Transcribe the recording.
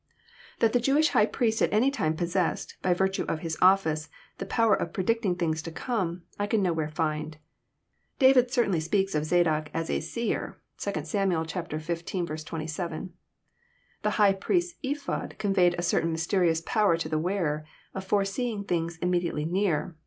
That the Jewish high priest at any time possessed, by virtue of his office, the power of predicting things to come, I can no where find. David certainly speaks of Zadok as " a seer." (2 Sam. XV. 27.) The high priest's ephod conveyed a certain mysterious power to the wearer, of forseeing things Immediate ly near.